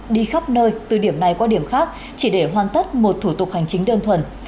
đi khắp nơi từ điểm này qua điểm khác chỉ để hoàn tất một thủ tục hành chính đơn thuần